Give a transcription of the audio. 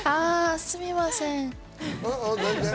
すみません。